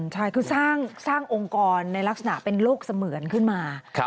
ใช่คือสร้างองค์กรในลักษณะเป็นโลกเสมือนขึ้นมา